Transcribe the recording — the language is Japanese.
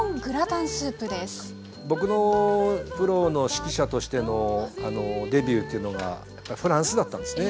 僕のプロの指揮者としてのデビューというのがフランスだったんですね。